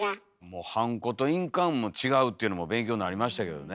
ハンコと印鑑も違うっていうのも勉強になりましたけどね。